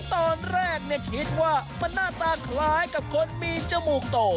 ตอนแรกคิดว่ามันหน้าตาคล้ายกับคนมีจมูกโต